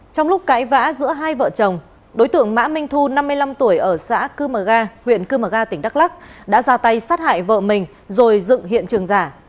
trong lúc cãi vã giữa hai vợ chồng đối tượng mã minh thu năm mươi năm tuổi ở xã cư mờ ga huyện cư mờ ga tỉnh đắk lắc đã ra tay sát hại vợ mình rồi dựng hiện trường giả